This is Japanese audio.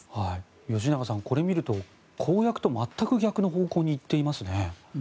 吉永さん、これを見ると公約と全く逆の方向に行っていますね。